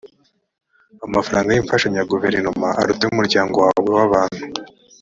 amafaranga y’imfashanyo ya guverinoma aruta ay’umuryango wawe w’abantu